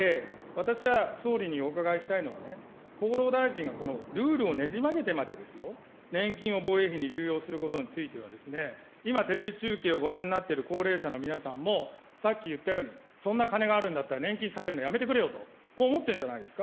私は総理にお伺いしたいのは、厚労大臣がこのルールを捻じ曲げてまでですよ、年金を防衛費に流用することについては今テレビ中継をご覧になっている高齢者の皆さんも、さっき言ったように、そんな金があるんだったら、年金下げるのやめてくれよと、こう思ってるんじゃないですか。